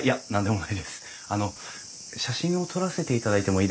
あの写真を撮らせていただいてもいいですか？